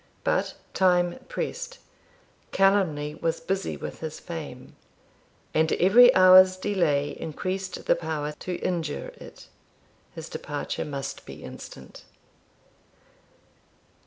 But time pressed, calumny was busy with his fame, and every hour's delay increased the power to injure it. His departure must be instant.